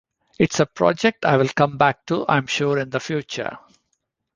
It's a project I'll come back to I'm sure in the future.